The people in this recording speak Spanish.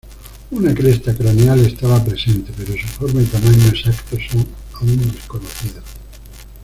Una cresta craneal estaba presente pero su forma y tamaño exactos son aún desconocidos.